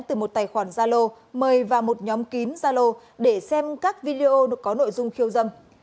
từ một tài khoản gia lô mời vào một nhóm kín zalo để xem các video có nội dung khiêu dâm